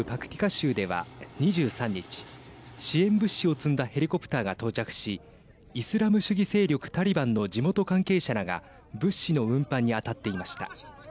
州では２３日支援物資を積んだヘリコプターが到着しイスラム主義勢力タリバンの地元関係者らが物資の運搬に当たっていました。